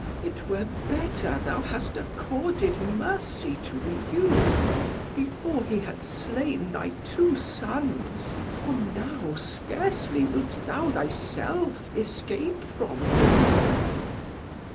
"It were better thou hadst accorded mercy to the youth, before he had slain thy two sons; for now scarcely wilt thou thyself escape from him."